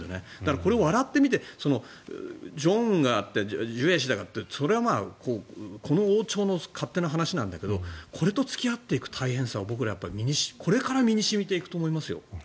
これを笑って、見て正恩が、ジュエ氏だかってそれはこの王朝の勝手な話なんだけどこれと付き合っていく大変さはこれから僕ら身に染みていくと思いますよ。